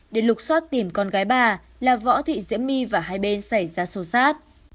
để lục xót tìm con gái bà là võ thị diễm my và hai bên xảy ra xô xát